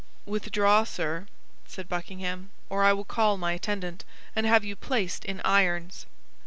"Withdraw, sir," said Buckingham, "or I will call my attendant, and have you placed in irons."